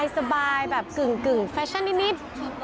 สบายแบบกึ่งแฟชั่นนิด